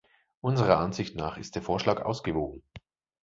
Unserer Ansicht nach ist der Vorschlag ausgewogen.